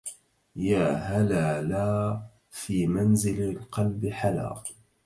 يا هلالا في منزل القلب حلا